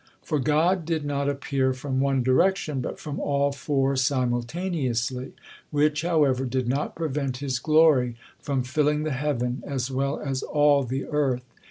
For God did not appear from one direction, but from all four simultaneously, which, however, did not prevent His glory from filling the heaven as well as all the earth.